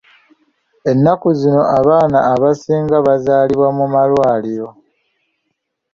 Ennaku zino abaana abasinga bazaalibwa mu malwariro.